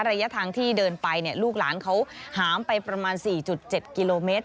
ระยะทางที่เดินไปลูกหลานเขาหามไปประมาณ๔๗กิโลเมตร